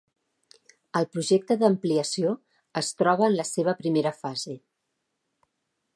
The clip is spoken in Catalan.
El projecte d'ampliació es troba en la seva primera fase.